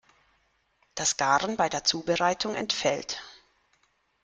Das Garen bei der Zubereitung entfällt.